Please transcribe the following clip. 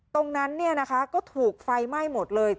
ตรงนั้นเนี่ยนะคะก็ถูกไฟไหม้หมดเลย